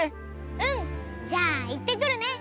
うんじゃあいってくるね！